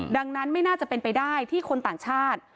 ดังนั้นไม่น่าจะเป็นไปได้ที่คนต่างชาติ